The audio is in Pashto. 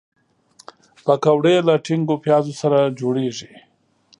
پکورې له ټینګو پیازو سره جوړیږي